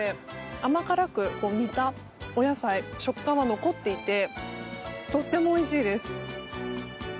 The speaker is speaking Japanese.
甘辛く煮た、お野菜食感が残っていてとってもおいしい。